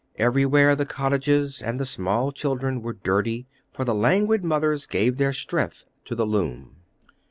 Everywhere the cottages and the small children were dirty, for the languid mothers gave their strength to the loom."